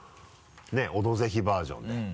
「オドぜひ」バージョンで。